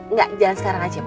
nggak jalan sekarang aja pak